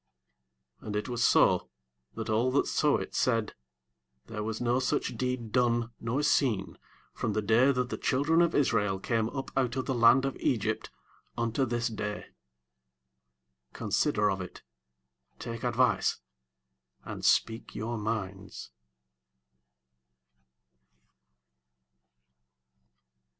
30 And it was so, that all that saw it said, There was no such deed done nor seen from the day that the children of Israel came up out of the land of Egypt unto this day: consider of it, take advice, and speak your minds.